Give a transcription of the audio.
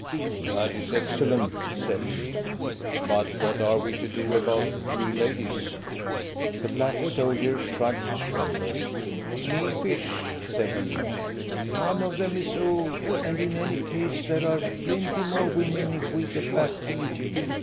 "That is excellent," said he. "But what are we to do about the three ladies?" The black soldier shrugged his shoulders. "Mefeesh!" said he. "One of them is old, and in any case there are plenty more women if we get back to Egypt.